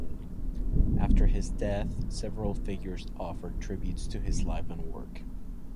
After his death, several figures offered tributes to his life and work.